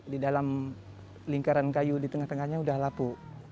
di dalam lingkaran kayu di tengah tengahnya sudah lapu